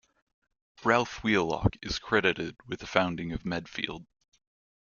Ralph Wheelock is credited with the founding of Medfield.